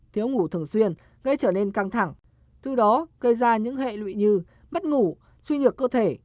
thiếu ngủ thường xuyên gây trở nên căng thẳng từ đó gây ra những hệ lụy như mất ngủ suy nhược cơ thể